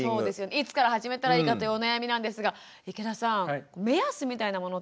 いつから始めたらいいかというお悩みなんですが池田さん目安みたいなものってあるんですか？